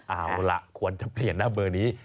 เอาล่ะควรจะเปลี่ยนหน้าเบอร์นี้